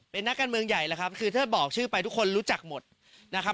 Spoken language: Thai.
เป็นนักการเมืองใหญ่แล้วครับคือถ้าบอกชื่อไปทุกคนรู้จักหมดนะครับ